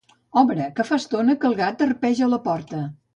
Obre, que fa estona que el gat arpeja la porta.